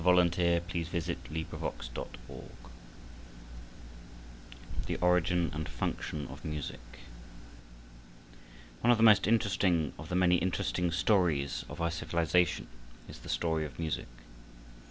FOR EVERY MUSIC LOVER I The Origin and Function of Music One of the most interesting of the many interesting stories of our civilization is the story of Music.